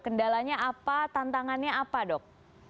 kendalanya apa tantangannya apa dok